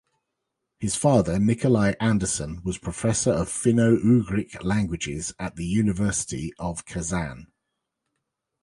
His father, Nikolai Anderson, was professor in Finno-Ugric languages at the University of Kazan.